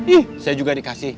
ih saya juga dikasih